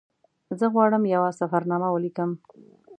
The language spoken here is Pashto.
زه غواړم یوه سفرنامه ولیکم.